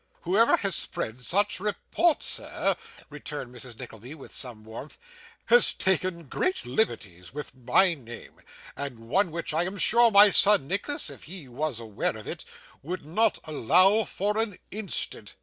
'Whoever has spread such reports, sir,' returned Mrs. Nickleby, with some warmth, 'has taken great liberties with my name, and one which I am sure my son Nicholas, if he was aware of it, would not allow for an instant.